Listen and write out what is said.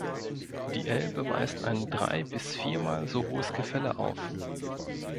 Die Elbe weist ein drei- bis viermal so hohes Gefälle auf.